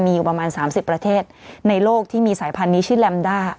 มีอยู่ประมาณ๓๐ประเทศในโลกที่มีสายพันธุ์นี้ชื่อแรมด้า